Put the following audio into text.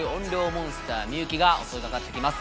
モンスター美雪が襲いかかってきます